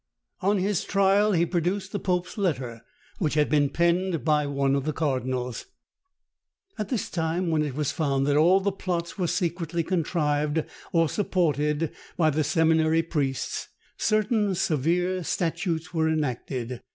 On his trial he produced the pope's letter, which had been penned by one of the cardinals. At this time, when it was found that all the plots were secretly contrived or supported by the seminary priests, certain severe statutes were enacted.